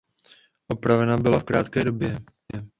Opravena byla v krátké době.